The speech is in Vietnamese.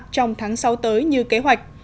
trong tháng sáu tới như kế hoạch